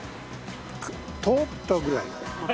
通ったぐらい。